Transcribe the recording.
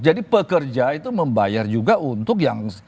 jadi pekerja itu membayar juga untuk yang